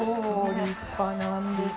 立派なんですよ。